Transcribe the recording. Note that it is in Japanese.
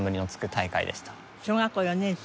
小学校４年生。